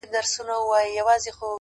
نه دعا نه په جومات کي خیراتونو-